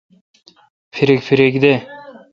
پھریک پھریک دہ۔